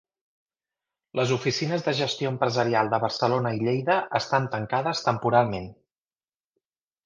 Les oficines de Gestió Empresarial de Barcelona i Lleida estan tancades temporalment.